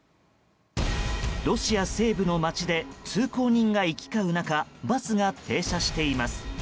ロシア西部の街で通行人が行き交う中バスが停車しています。